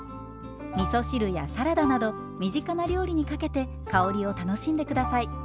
みそ汁やサラダなど身近な料理にかけて香りを楽しんで下さい。